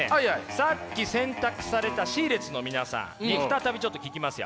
さっき選択されたＣ列の皆さんに再びちょっと聞きますよ。